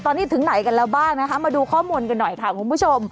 ตอนนี้ถึงไหนกันแล้วบ้างนะคะมาดูข้อมูลกันหน่อยค่ะคุณผู้ชม